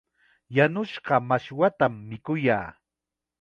Yanushqa mashwatam mikuyaa.